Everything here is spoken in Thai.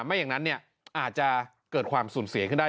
ไม่อย่างนั้นอาจจะเกิดความสูญเสียขึ้นได้